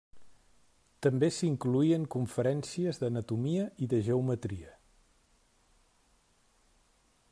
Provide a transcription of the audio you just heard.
També s'incloïen conferències d'anatomia i de geometria.